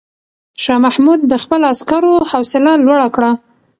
شاه محمود د خپلو عسکرو حوصله لوړه کړه.